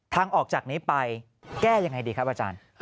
ทางออกจากนี้ไปแก้ยังไงดีครับอาจารย์